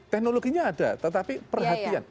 teknologinya ada tetapi perhatian